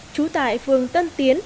chú tại phường tân tiến